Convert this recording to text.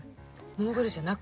モーグルじゃなく？